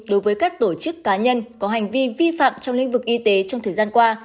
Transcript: đối với các tổ chức cá nhân có hành vi vi phạm trong lĩnh vực y tế trong thời gian qua